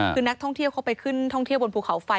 คือนักท่องเที่ยวเขาไปขึ้นท่องเที่ยวบนภูเขาไฟ